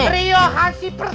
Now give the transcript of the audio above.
rio hansi pr